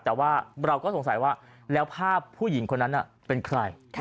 แต่ว่าเราก็สงสัยว่าแล้วภาพผู้หญิงคนนั้นเป็นใคร